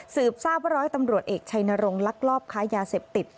ทราบว่าร้อยตำรวจเอกชัยนรงค์ลักลอบค้ายาเสพติด